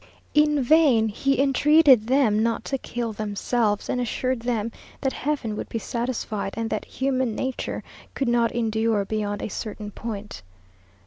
In vain he entreated them not to kill themselves; and assured them that heaven would be satisfied, and that human nature could not endure beyond a certain point.